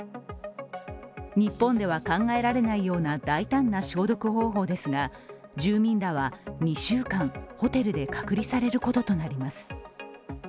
日本では考えられないような大胆な消毒方法ですが住民らは２週間、ホテルで隔離されることとなります。